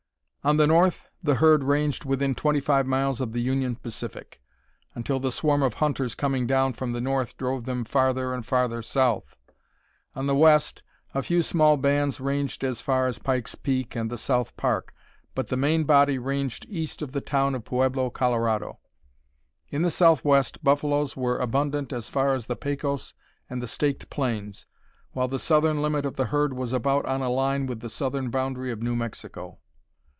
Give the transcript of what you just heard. On the north the herd ranged within 25 miles of the Union Pacific, until the swarm of hunters coming down from the north drove them farther and farther south. On the west, a few small bands ranged as far as Pike's Peak and the South Park, but the main body ranged east of the town of Pueblo, Colorado. In the southwest, buffaloes were abundant as far as the Pecos and the Staked Plains, while the southern limit of the herd was about on a line with the southern boundary of New Mexico.